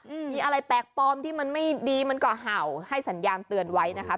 อืมมีอะไรแปลกปลอมที่มันไม่ดีมันก็เห่าให้สัญญาณเตือนไว้นะคะ